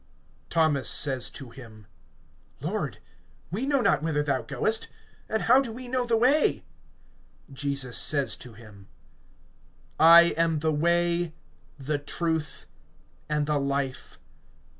(5)Thomas says to him: Lord, we know not whither thou goest; and how do we know the way? (6)Jesus says to him: I am the way, the truth, and the life.